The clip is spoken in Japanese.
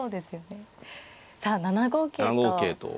さあ７五桂と。